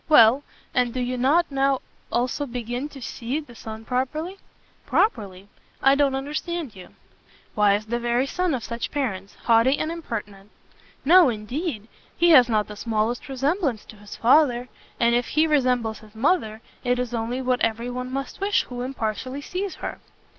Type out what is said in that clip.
"Well, and do you not now begin also to see the son properly?" "Properly? I don't understand you." "Why as the very son of such parents, haughty and impertinent." "No, indeed; he has not the smallest resemblance [to] his father, and if he resembles his mother, it is only what every one must wish who impartially sees her."